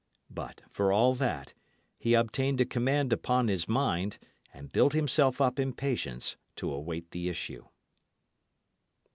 But, for all that, he obtained a command upon his mind, and built himself up in patience to await the issue.